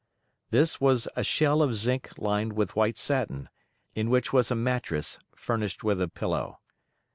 This was a shell of zinc lined with white satin, in which was a mattress furnished with a pillow.